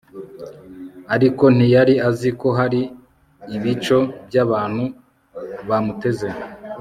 ariko ntiyari azi ko hari ibico by'abantu bamuteze